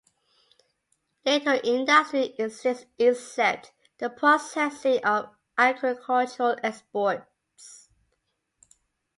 Little industry exists except the processing of agricultural exports.